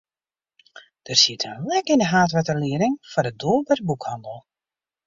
Der siet in lek yn de haadwetterlieding foar de doar by de boekhannel.